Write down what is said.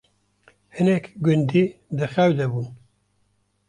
hinek gundî di xew de bûn